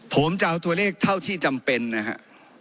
ผมจะเอาตัวเลขเท่าที่จำเป็นนะฮะ